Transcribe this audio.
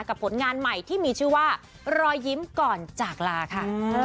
ผลงานใหม่ที่มีชื่อว่ารอยยิ้มก่อนจากลาค่ะ